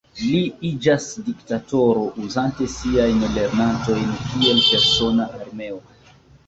Li iĝas diktatoro uzante siajn lernantojn kiel persona armeo.